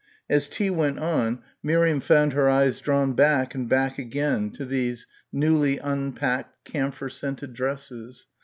As tea went on Miriam found her eyes drawn back and back again to these newly unpacked camphor scented dresses